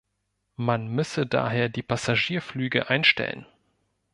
Man müsse daher die Passagierflüge einstellen.